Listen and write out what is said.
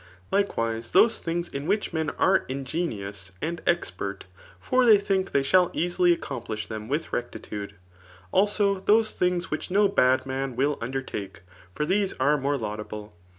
Likewise, those things in wbich ra^i are ingenious and expert i for they think thiey idbdl easily accoaiplish them with rectitude. AJbo, those dkbigs wUch no bad man will undertake ; for these am aiore laudable.